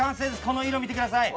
この色見てください。